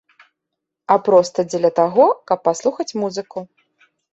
А проста дзеля таго, каб паслухаць музыку.